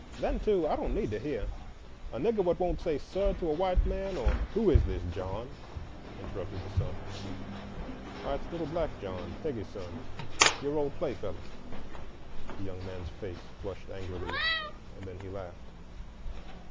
Then, too, I don't need to heah: a Nigger what won't say 'sir' to a white man, or—" "Who is this John?" interrupted the son. "Why, it's little black John, Peggy's son,—your old playfellow." The young man's face flushed angrily, and then he laughed.